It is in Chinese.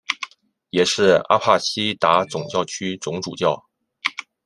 也是阿帕雷西达总教区总主教。